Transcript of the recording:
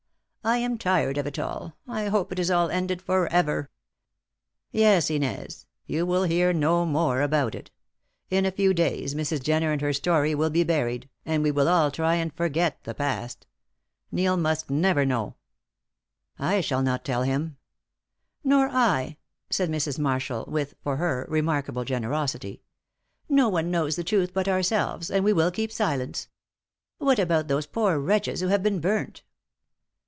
I am tired of it all. I hope it is all ended for ever." "Yes, Inez. You will hear no more about it. In a few days Mrs. Jenner and her story will be buried, and we will all try and forget the past. Neil must never know." "I shall not tell him." "Nor I," said Mrs. Marshall, with, for her, remarkable generosity. "No one knows the truth but ourselves, and we will keep silence. What about those poor wretches who have been burnt?"